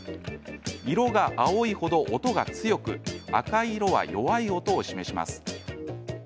色が青いほど音が強く赤い色は弱い音を示します。